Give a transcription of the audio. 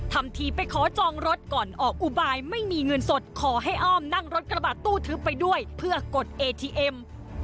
ทำทีไปขอจองรถก่อนออกอุบายไม่มีเงินสดขอให้อ้อมนั่งรถกระบาดตู้ทึบไปด้วยเพื่อกดเอทีเอ็ม